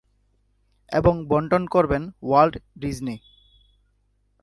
এবং বণ্টন করবেন ওয়াল্ট ডিজনি।